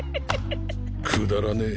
くだらねえ。